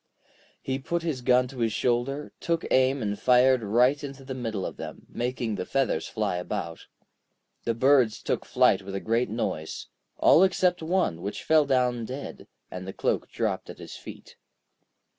He put his gun to his shoulder, took aim and fired right into the middle of them, making the feathers fly about. The birds took flight with a great noise, all except one, which fell down dead, and the cloak dropped at his feet.